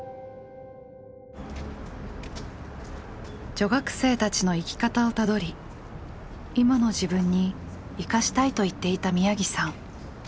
女学生たちの生き方をたどり今の自分に生かしたいと言っていた宮城さん。